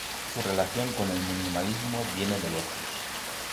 Su relación con el minimalismo viene de lejos.